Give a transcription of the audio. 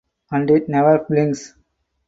And it never blinks.